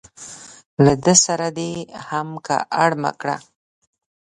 له ده سره دې هم که اړمه کړه.